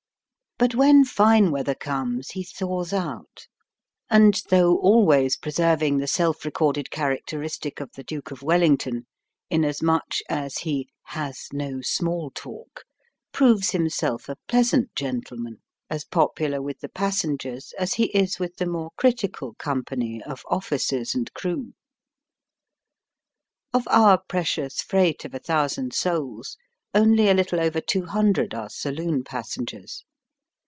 But when fine weather comes he thaws out, and though always preserving the seK re Digitizedby VjOOQIC "off sandy hook/ 5 corded characteristic of the Duke of Wel lington, inasmuch as he '^ has no small talk/' proves himseK a pleasant gentleman, as popular with the passengers as he is with the more critical company of officers and crew. Of our precious freight of a thousand souls, only a Uttle over two hundred are saloon pas sengers.